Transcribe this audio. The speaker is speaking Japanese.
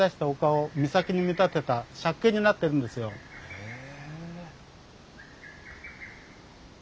へえ。